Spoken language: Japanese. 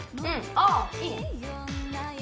ああいいね。